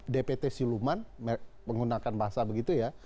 dpt siluman menggunakan bahasa begitu ya